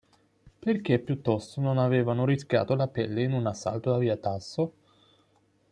Perché piuttosto non avevano rischiato la pelle in un assalto a via Tasso?